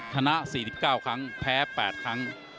ชนะ๔๙ครั้งแพ้๘ครั้ง